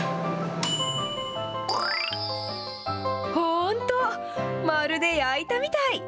本当、まるで焼いたみたい。